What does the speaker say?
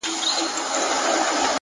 زحمت د موخو د پخېدو لمر دی!.